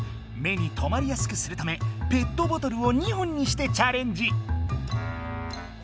目にとまりやすくするためペットボトルを２本にしてチャレンジ。